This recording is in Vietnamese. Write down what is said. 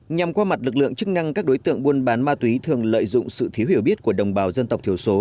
nhằm qua mặt lực lượng chức năng các đối tượng buôn bán ma túy thường lợi dụng sự thiếu hiểu biết của đồng bào dân tộc thiểu số